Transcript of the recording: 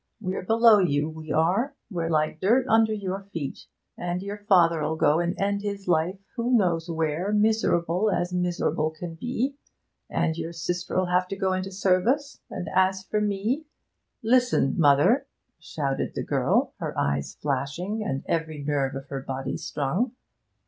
We're below you, we are; we're like dirt under your feet! And your father'll go and end his life who knows where miserable as miserable can be; and your sister'll have to go into service; and as for me ' 'Listen, mother!' shouted the girl, her eyes flashing and every nerve of her body strung.